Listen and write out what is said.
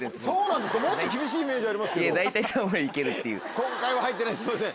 そうなんですか？